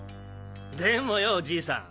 でもよォじいさん！